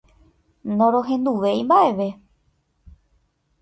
Norohenduvéi mba'eve.